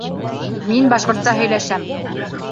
Мин башҡортса һөйләшәм